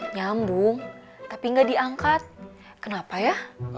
nyambung tapi nggak diangkat kenapa ya